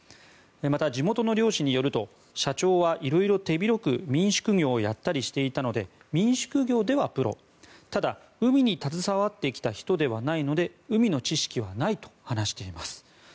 また、地元の漁師によると社長は色々手広く民宿業をやったりしていたので民宿業ではプロただ海に携わってきた人ではないので海の知識はないと話しています。